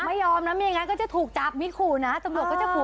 ไม่ยอมนะไม่อย่างนั้นก็จะถูกจับมิดขู่นะตำรวจก็จะขู่